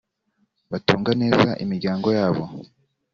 batunga neza imiryango yabo